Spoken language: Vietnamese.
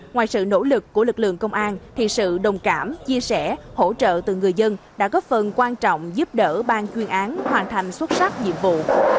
ngoài sự nỗ lực của lực lượng công an thì sự đồng cảm chia sẻ hỗ trợ từ người dân đã góp phần quan trọng giúp đỡ bang chuyên án hoàn thành xuất sắc nhiệm vụ